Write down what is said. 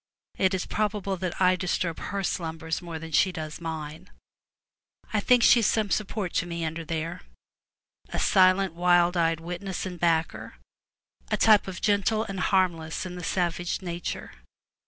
It is probable that I disturb her slumbers more than she does mine. I think she is some support to me under there — a silent wild eyed witness and backer; a type of the gentle and harmless in savage nature.